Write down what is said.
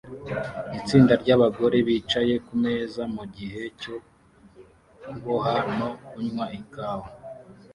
Itsinda ryabagore bicaye kumeza mugihe cyo kuboha no kunywa ikawa